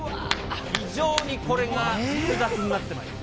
非常にこれが複雑になってまいります。